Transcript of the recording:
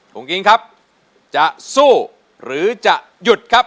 คุณกิ๊งครับจะสู้หรือจะหยุดครับ